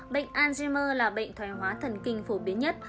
bệnh alzheimer là bệnh thoải hóa thần kinh phổ biến nhất